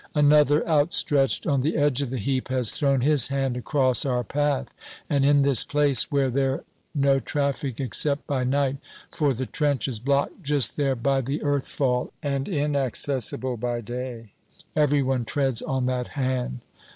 Another, outstretched on the edge of the heap, has thrown his hand across our path; and in this place where there no traffic except by night for the trench is blocked just there by the earth fall and inaccessible by day every one treads on that hand.